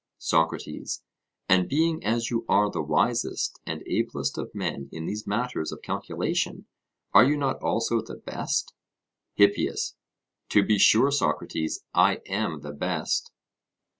SOCRATES: And being as you are the wisest and ablest of men in these matters of calculation, are you not also the best? HIPPIAS: To be sure, Socrates, I am the best.